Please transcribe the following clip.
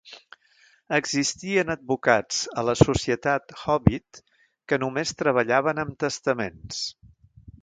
Existien advocats a la societat Hòbbit, que només treballaven amb testaments.